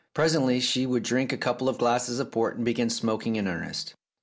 Pre sently she would drink a couple of glasses of port and begin smoking in earnest.